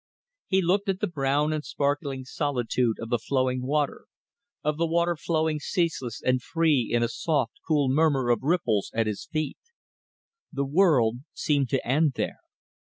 He looked at the brown and sparkling solitude of the flowing water, of the water flowing ceaseless and free in a soft, cool murmur of ripples at his feet. The world seemed to end there.